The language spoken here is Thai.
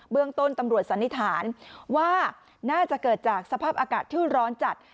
เรื่องต้นตำรวจสันนิษฐานว่าน่าจะเกิดจากสภาพอากาศที่ร้อนจัด